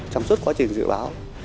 trong suốt quá trình dự báo